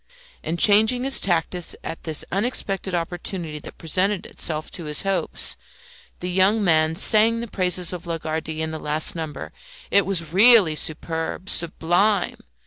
And changing his tactics at this unexpected opportunity that presented itself to his hopes, the young man sang the praises of Lagardy in the last number. It was really superb, sublime.